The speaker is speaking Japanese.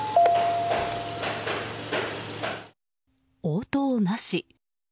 応答なし。